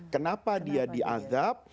kenapa dia diadab